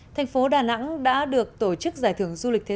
thành phố đà nẵng đã được tổ chức giải thưởng du lịch thế